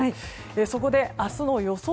そこで明日の予想